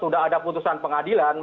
sudah ada putusan pengadilan